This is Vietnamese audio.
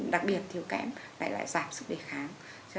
đặc biệt thiếu kẽm lại lại giảm sức đề kháng